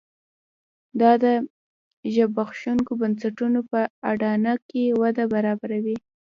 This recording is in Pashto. دا د زبېښونکو بنسټونو په اډانه کې وده برابروي.